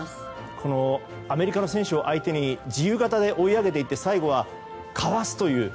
このアメリカの選手を相手に自由形で追い上げていって最後はかわすという。